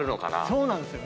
そうなんですよ。